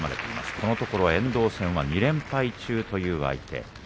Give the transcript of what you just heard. このところ遠藤戦は２連敗中という相手。